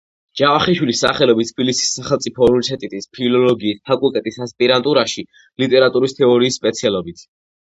ჯავახიშვილის სახელობის თბილისის სახელმწიფო უნივერსიტეტის ფილოლოგიის ფაკულტეტის ასპირანტურაში, ლიტერატურის თეორიის სპეციალობით.